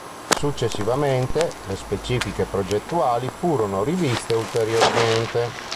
Successivamente, le specifiche progettuali furono riviste ulteriormente.